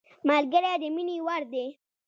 ملګری د مینې وړ دی